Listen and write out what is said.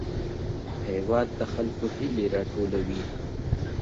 هېواد د خلکو هیلې راټولوي.